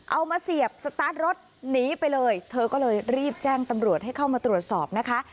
มาเสียบสตาร์ทรถหนีไปเลยเธอก็เลยรีบแจ้งตำรวจให้เข้ามาตรวจสอบนะคะ